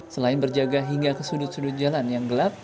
selain berjaga hingga ke sudut sudut jalan yang gelap